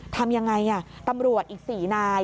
ทำยังไงตำรวจอีก๔นาย